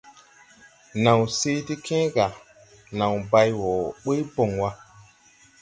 Naw se ti kęę ga, naw bay wɔɔ ɓuy bon wa.